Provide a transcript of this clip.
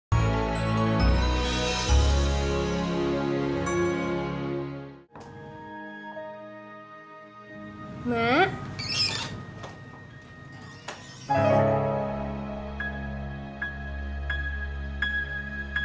sampai jumpa di video selanjutnya